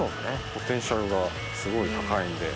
ポテンシャルがすごい高いんで。